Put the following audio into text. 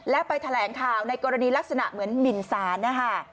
และไปแถลงข่าวในกรณีลักษณะเหมือนหมินสารนะคะ